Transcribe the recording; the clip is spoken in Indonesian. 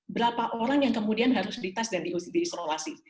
berapa orang yang kemudian harus di tes dan diisolasi